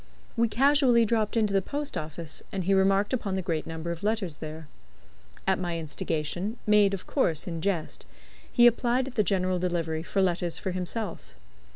We casually dropped into the post office, and he remarked upon the great number of letters there. At my instigation made, of course, in jest he applied at the General Delivery for letters for himself.